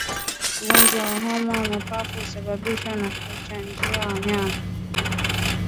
Ugonjwa wa homa ya mapafu husababishwa na kuchanganya wanyama